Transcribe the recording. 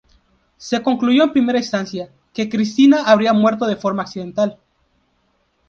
Se concluyó en primera instancia, que Cristina habría muerto de forma accidental.